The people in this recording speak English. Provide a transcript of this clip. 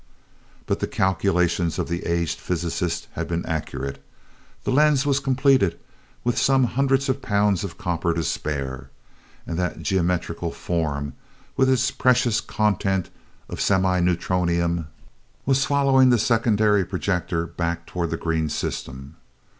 But the calculations of the aged physicist had been accurate. The lens was completed with some hundreds of pounds of copper to spare, and that geometrical form, with its precious content of semi neutronium, was following the secondary projector back toward the green system.